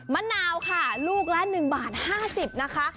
มะนาวค่ะลูกละ๑บาท๕๐นะคะ